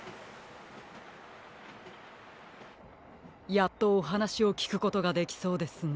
やっとおはなしをきくことができそうですね。